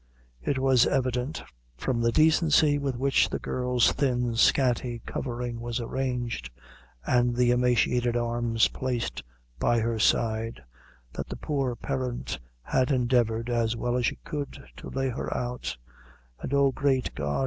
It was evident, from the decency with which the girl's thin scanty covering was arranged, and the emaciated arms placed by her side, that the poor parent had endeavored, as well as she could, to lay her out; and, oh, great God!